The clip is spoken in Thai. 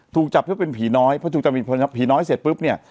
ถูกจับเพื่อเป็นผีน้อยเพราะถูกจับผีน้อยเสร็จปุ๊บเนี่ย